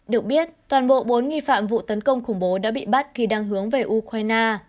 được biết toàn bộ bốn nghi phạm vụ tấn công khủng bố đã bị bắt khi đang hướng về ukraine